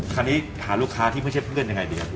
คราวนี้หาลูกค้าที่ไม่ใช่เพื่อนยังไงดีครับ